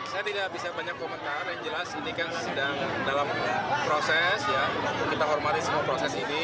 saya tidak bisa banyak komentar yang jelas ini kan sedang dalam proses ya kita hormati semua proses ini